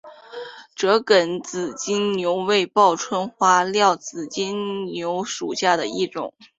折梗紫金牛为报春花科紫金牛属下的一个种。